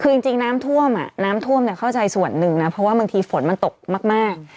คือจริงจริงน้ำท่วมอ่ะน้ำท่วมเนี้ยเข้าใจส่วนหนึ่งน่ะเพราะว่าบางทีฝนมันตกมากมาก